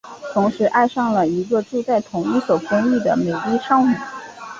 同时爱上了一个住在同一所公寓的美丽少女。